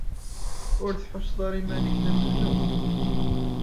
Ur tḥusseḍ ara iman-ik d amednub?